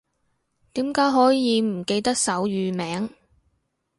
點解可以唔記得手語名